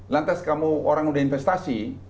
lantas kamu orang udah investasi